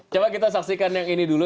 coba kita saksikan yang ini dulu